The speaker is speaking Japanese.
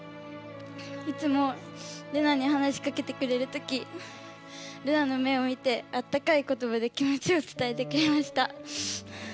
いつもレナに話しかけてくれるときレナの目を見てあったかい言葉で気持ちを伝えてくれました。